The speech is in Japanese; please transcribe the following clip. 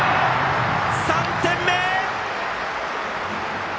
３点目！